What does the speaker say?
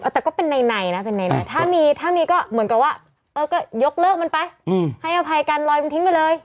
แต่ก็เป็นในนะถ้ามีถ้ามีก็เหมือนกับว่าก็ยกเลิกมันไปให้อภัยกันลอยมันทิ้งไปเลย